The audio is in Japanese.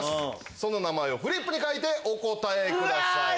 その名前をフリップに書いてお答えください。